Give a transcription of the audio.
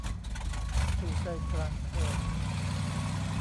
"สู่ 'ใจกลางเธอ'"